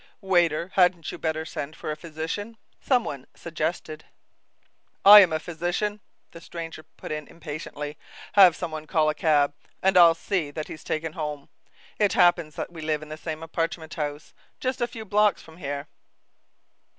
"Waiter, hadn't you better send for a physician?" some one suggested. "I'm a physician," the stranger put in impatiently. "Have some one call a cab, and I'll see that he's taken home. It happens that we live in the same apartment house, just a few blocks from here."